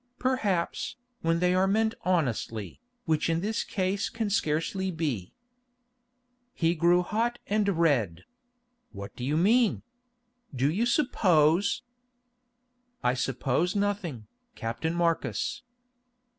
"Perhaps, when they are meant honestly, which in this case can scarcely be." He grew hot and red. "What do you mean? Do you suppose——" "I suppose nothing, Captain Marcus."